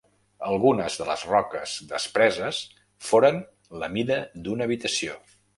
Algunes de les roques despreses foren la mida d'una habitació.